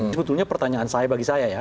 sebetulnya pertanyaan saya bagi saya ya